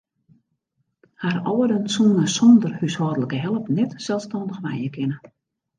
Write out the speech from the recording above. Har âlden soene sonder húshâldlike help net selsstannich wenje kinne.